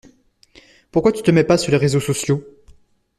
Pourquoi tu te mets pas sur les réseaux sociaux?